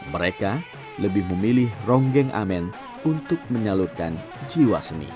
mereka lebih memilih ronggeng amen untuk menyalurkan jiwa seni